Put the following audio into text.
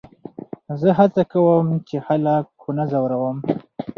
زه هڅه کوم، چي خلک و نه ځوروم.